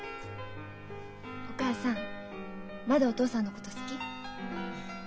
お母さんまだお父さんのこと好き？